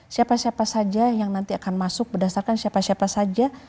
siapa siapa saja yang nanti akan masuk berdasarkan siapa siapa saja